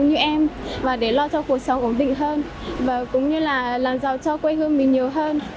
như em và để lo cho cuộc sống ổn định hơn và cũng như là làm giàu cho quê hương mình nhiều hơn